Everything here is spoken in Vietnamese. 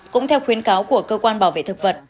cũng theo khuyến cáo của cơ quan bảo vệ thực vật